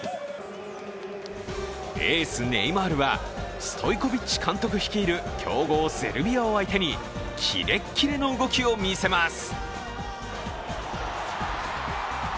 エース、ネイマールはストイコビッチ監督率いる強豪セルビアを相手にキレッキレの動きを見せます。